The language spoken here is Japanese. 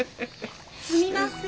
・すみません。